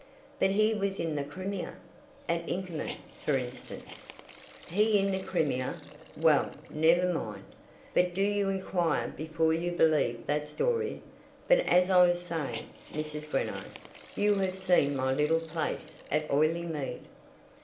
"But he was in the Crimea. At Inkerman, for instance " "He in the Crimea! Well, never mind. But do you inquire before you believe that story. But as I was saying, Mrs. Greenow, you have seen my little place at Oileymead."